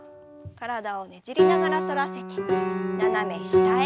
体をねじりながら反らせて斜め下へ。